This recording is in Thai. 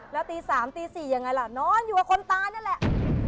แล้วตี๓ตี๔ยังไงล่ะนอนอยู่กับคนตายนั่นแหละ